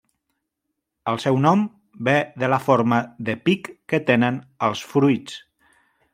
El seu nom ve de la forma de pic que tenen els fruits.